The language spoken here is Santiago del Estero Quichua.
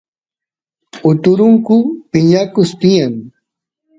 uturungu piñakus tiyan